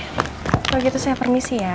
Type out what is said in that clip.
kalau gitu saya permisi ya